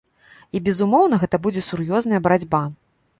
І безумоўна, гэта будзе сур'ёзная барацьба.